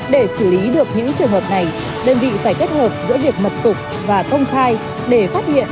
để xử lý được những trường hợp này đơn vị phải kết hợp giữa việc mật cục và công khai